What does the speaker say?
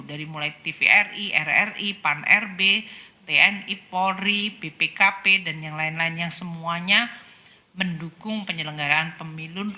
dari mulai tvri rri pan rb tni polri bpkp dan yang lain lain yang semuanya mendukung penyelenggaraan pemilu